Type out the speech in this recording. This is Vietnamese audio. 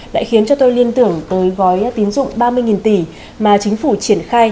đã khiến cho tôi liên tưởng tới gói tín dụng ba mươi tỷ mà chính phủ triển khai